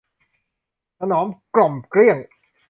ถนอมกล่อมเกลี้ยง